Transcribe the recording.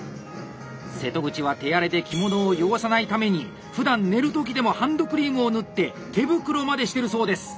瀬戸口は手荒れで着物を汚さないためにふだん寝る時でもハンドクリームを塗って手袋までしてるそうです！